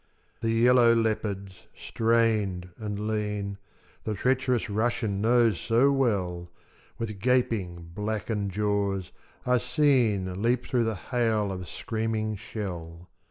The yellow leopards, strained and lean, The treacherous Russian knows so well, With gaping blackened jaws are seen Leap through the hail of screaming shell.